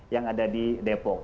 yang ada di depok